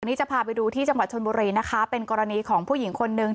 นี่จะพาไปดูที่จังหวัดชนบุรีนะคะเป็นกรณีของผู้หญิงคนนึง